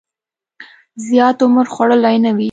زیات عمر خوړلی نه وي.